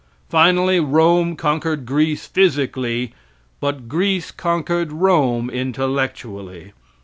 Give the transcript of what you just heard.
Finally Rome conquered Greece physically, but Greece conquered Rome intellectually.